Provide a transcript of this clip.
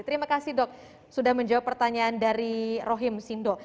terima kasih dok sudah menjawab pertanyaan dari rohim sindo